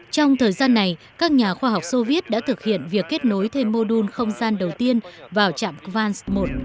trong thời gian này các nhà khoa học soviet đã thực hiện việc kết nối thêm mô đun không gian đầu tiên vào trạm kals một